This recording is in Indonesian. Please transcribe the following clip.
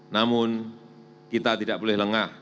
namun kita tidak boleh lengah